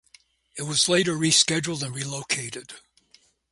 It was later rescheduled and relocated.